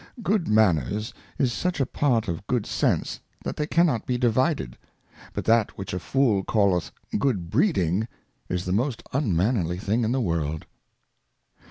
manners. Good manners is such a Part of Good sense, that they cannot be divided ; but that which a Fool calleth Good breeding is the most unmannerly thing in the World.